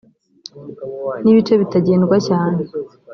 n’ ibice bitagendwa cyane